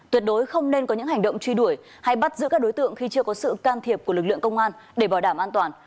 tuyệt đối không nên có những hành động truy đuổi hay bắt giữ các đối tượng khi chưa có sự can thiệp của lực lượng công an để bảo đảm an toàn